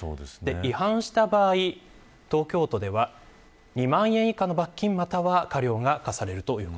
違反した場合東京都では２万円以下の罰金または科料が科されます。